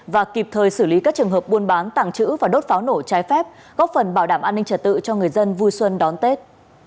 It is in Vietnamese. và kịp thời xử lý các trường hợp buôn bán tặng chữ và đốt pháo nổ trái phép góp phần bảo đảm an ninh trật tự cho người dân vui xuân đón tết